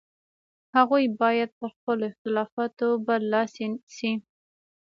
هغوی باید پر خپلو اختلافاتو برلاسي شي.